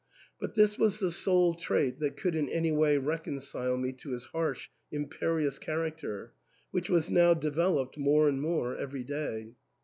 But this was the sole trait that could in any way reconcile me to his harsh, imperious character, which was now developed more and more every day.